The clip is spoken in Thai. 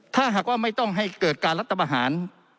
ถ้าหากว่าไม่ต้องให้เกิดการรัฐประหาร